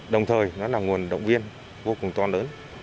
đồng thời nó là nguồn động viên vô cùng to lớn